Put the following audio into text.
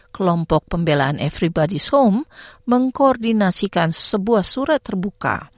kelompok pembelaan everybody s home mengkoordinasikan sebuah surat terbuka